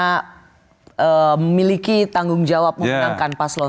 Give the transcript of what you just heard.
karena memiliki tanggung jawab memenangkan paslon